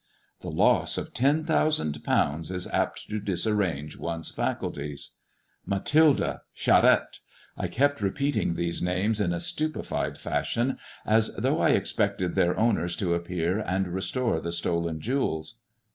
The loss of ten thousand pounds is apt to disarrange one's faculties. Mathilde ! Charette I I kept repeating these names in a stupefied fashion, as though I expected their owners to appear and restore the stolen jewels.